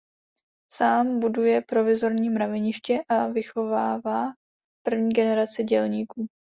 Sám buduje provizorní mraveniště a vychovává první generaci dělníků.